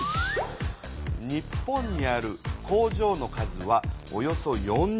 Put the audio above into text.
日本にある工場の数はおよそ４０万。